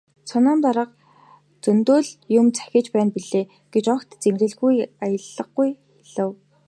"Соном дарга зөндөө л юм захиж байна билээ" гэж огт зэмлэсэн аялгагүй хэлэв.